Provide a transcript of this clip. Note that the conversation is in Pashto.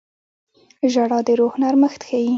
• ژړا د روح نرمښت ښيي.